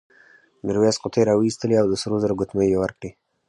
میرويس قوطۍ راوایستې او سرو زرو ګوتمۍ یې ورکړې.